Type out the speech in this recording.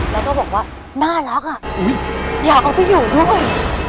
แล้วก็บอกว่าน่ารักอ่ะอยากเอาไปอยู่ด้วย